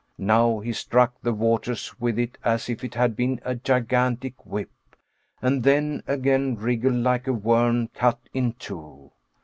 Now he struck the waters with it as if it had been a gigantic whip, and then again wriggled like a worm cut in two.